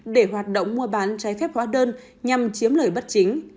để hoạt động mua bán trái phép hóa đơn nhằm chiếm lợi bất chính